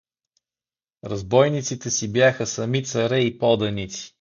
Разбойниците си бяха сами царе и поданици.